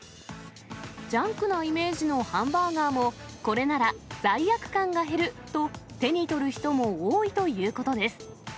ジャンクなイメージのハンバーガーも、これなら罪悪感が減ると、手に取る人も多いということです。